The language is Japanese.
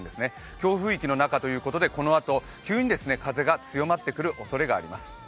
強風域の中ということでこのあと急に風が強まってくるおそれがあります。